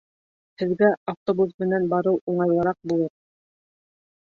Һеҙгә автобус менән барыу уңайлыраҡ булыр